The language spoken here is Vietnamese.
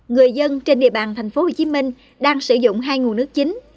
người dân trên địa bàn tp hcm đang sử dụng hai nguồn nước chính